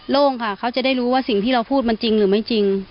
โล่งค่ะเขาจะได้รู้ว่าสิ่งที่เราพูดมันจริงหรือไม่จริง